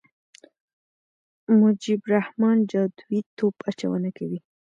مجيب الرحمن جادويي توپ اچونه کوي.